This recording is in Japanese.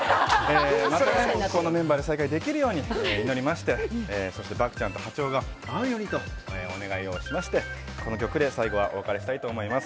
またこのメンバーで再会できるように祈りましてそして、漠ちゃんと波長が合うようにとお祈りをしましてこの曲で最後はお別れしたいと思います。